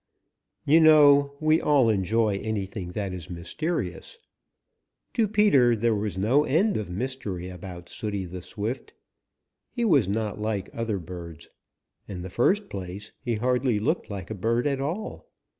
You know, we all enjoy anything that is mysterious. To Peter there was no end of mystery about Sooty the Swift. He was not like other birds. In the first place he hardly looked like a bird at all.